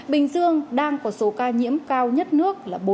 bình dương đang có số ca nhiễm cao nhất nước là bốn năm trăm linh năm ca